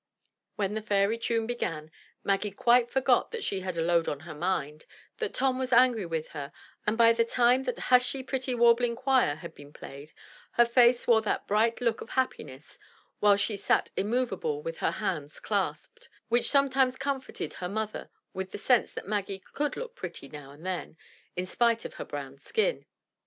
'' When the fairy tune began, Maggie quite forgot that she had a load on her mind, that Tom was angry with her; and by the time that "Hush, ye pretty warbling choir," had been played, her face wore that bright look of happiness while she sat immovable with her hands clasped, which sometimes comforted her mother with the sense that Maggie could look pretty now and then, in spite of her brown skin.